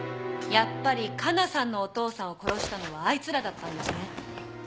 やっぱり加奈さんのお父さんを殺したのはあいつらだったんですね。